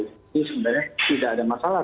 jadi sebenarnya tidak ada masalah